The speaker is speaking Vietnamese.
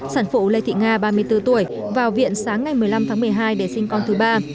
sản phụ lê thị nga ba mươi bốn tuổi vào viện sáng ngày một mươi năm tháng một mươi hai để sinh con thứ ba